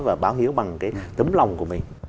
và báo hiếu bằng cái tấm lòng của mình